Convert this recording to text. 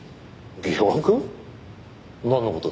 なんの事だ。